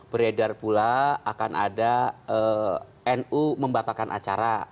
beredar pula akan ada nu membatalkan acara